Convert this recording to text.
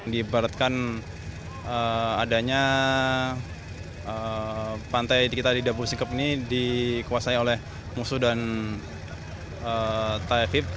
dibaratkan adanya pantai kita di dabu singkep ini dikuasai oleh musuh dan thai fit